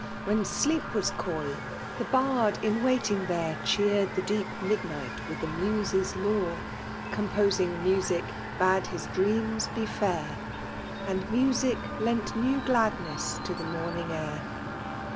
When sleep was coy, the hard in waiting there CheerM the deep midnight with the muses' lore ; Composing music hade his dreams be hit, And music lent new gladness to the morning air.